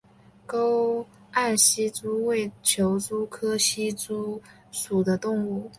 沟岸希蛛为球蛛科希蛛属的动物。